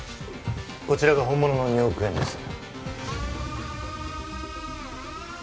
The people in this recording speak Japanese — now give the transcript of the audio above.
こちらが本物の２億円です